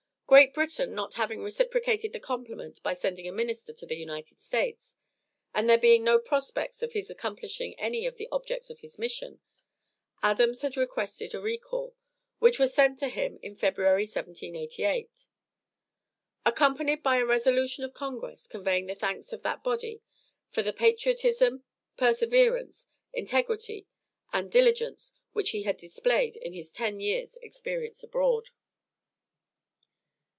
Great Britain not having reciprocated the compliment by sending a minister to the United States, and there being no prospects of his accomplishing any of the objects of his mission, Adams had requested a recall, which was sent to him in February, 1788, accompanied by a resolution of Congress conveying the thanks of that body for 'The patriotism, perseverance, integrity and diligence' which he had displayed in his ten years' experience abroad.